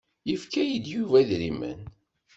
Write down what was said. Yefka-yi-d Yuba idrimen.